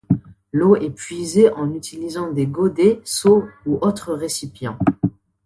L’eau est puisée en utilisant des godets, seaux, ou autres récipients.